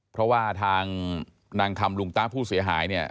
เพราะว่าทางนางคำลุงต้าผู้เสียหายเนี่ย